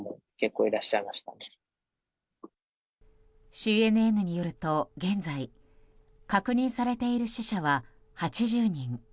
ＣＮＮによると現在確認されている死者は８０人。